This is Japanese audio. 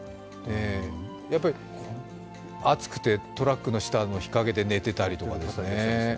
やっぱり暑くてトラックの下の日陰で寝てたりとか。